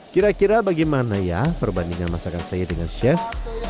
kira kira bagaimana ya perbandingan masakan saya dengan chef